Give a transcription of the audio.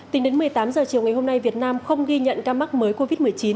tính đến một mươi tám h chiều ngày hôm nay việt nam không ghi nhận ca mắc mới covid một mươi chín